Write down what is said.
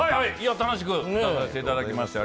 楽しくやらせていただきました。